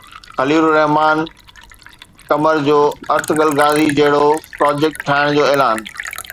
خليل الرحمان قمر جو Ertugrul Ghazi جهڙو project ٺاهڻ جو اعلان